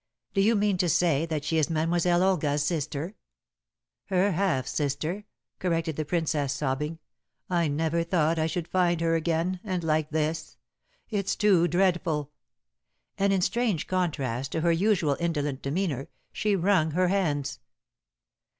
"Do you mean to say that she is Mademoiselle Olga's sister?" "Her half sister," corrected the Princess, sobbing. "I never thought I should find her again, and like this. It's too dreadful!" And in strange contrast to her usual indolent demeanor, she wrung her hands.